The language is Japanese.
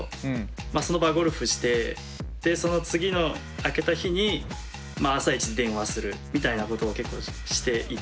まあその場合ゴルフしてでその次の明けた日にまあ朝イチで電話するみたいなことを結構していて。